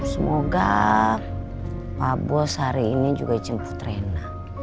semoga pak bos hari ini juga jemput rena